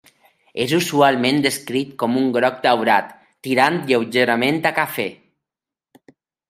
És usualment descrit com un groc daurat, tirant lleugerament a cafè.